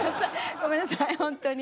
ごめんなさいほんとに。